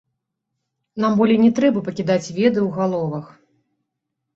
Нам болей не трэба пакідаць веды ў галовах.